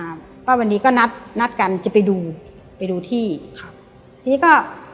ว่าวันนี้ก็นัดนัดกันจะไปดูไปดูที่ครับทีนี้ก็